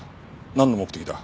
なんの目的だ？